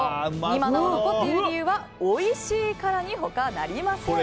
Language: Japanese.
今なお残っている理由はおいしいからに他なりません。